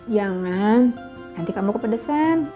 jangan nanti kamu kepedesan